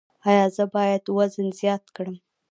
ایا زه باید وزن زیات کړم؟